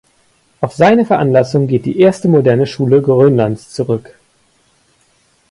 Auf seine Veranlassung geht die erste moderne Schule Grönlands zurück.